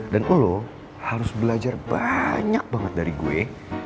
dan lo harus belajar banyak banget dari gue